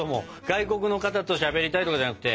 外国の方としゃべりたいとかじゃなくて。